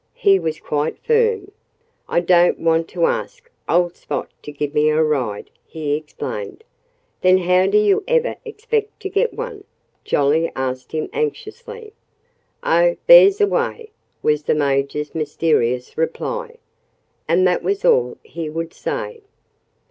He was quite firm. "I don't want to ask old Spot to give me a ride," he explained. "Then how do you ever expect to get one?" Jolly asked him anxiously. "Oh, there's a way!" was the Major's mysterious reply. And that was all he would say.